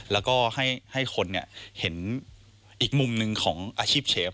แล้วก็ให้คนเห็นอีกมุมหนึ่งของอาชีพเชฟ